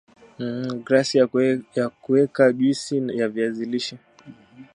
Glasi ya kuwekea juisi ya viazi lishe